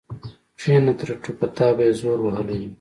کېنه ټرتو په تا به يې زور وهلی وي.